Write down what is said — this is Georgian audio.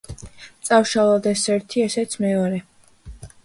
წავშალოთ, ეს ერთი, ესეც მეორე.